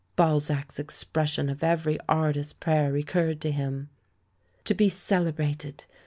Balzac's expression of every artist's praj^er recurred to him, "To be celebrat ed!